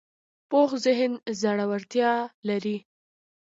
پوخ ذهن زړورتیا لري